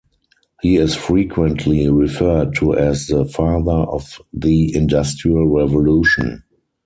He is frequently referred to as the Father of the Industrial Revolution.